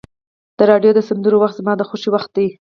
د راډیو د سندرو وخت زما د خوښۍ وخت دی.